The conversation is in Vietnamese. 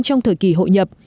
trong thời kỳ hội nhập